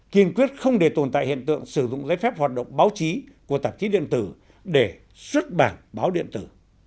kiên quyết không để tồn tại hiện tượng sử dụng giấy phép hoạt động báo chí của tạp chí điện tử để xuất bản báo điện tử